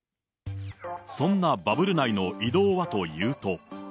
そんなバブル内の移動はというと。